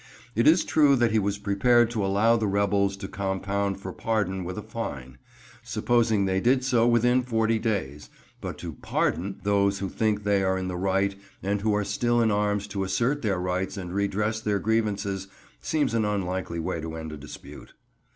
It is true that he was prepared to allow the rebels to compound for pardon with a fine, supposing they did so within forty days, but to "pardon" those who think they are in the right and who are still in arms to assert their rights and redress their grievances, seems an unlikely way to end a dispute.